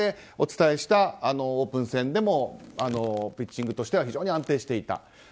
お伝えしたオープン戦でもピッチングとしては非常に安定していた。